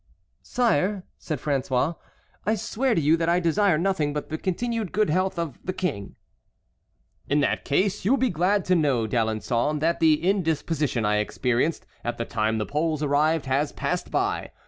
"Sire," said François, "I swear to you that I desire nothing but the continued good health of the King." "In that case you will be glad to know, D'Alençon, that the indisposition I experienced at the time the Poles arrived has passed by.